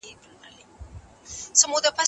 غږ اورېدل کېږي.